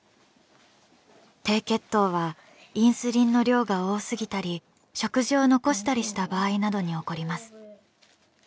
低血糖はインスリンの量が多すぎたり食事を残したりした場合などに起こります。